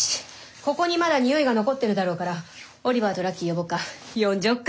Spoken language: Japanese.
ここにまだ匂いが残ってるだろうからオリバーとラッキー呼ぼうか。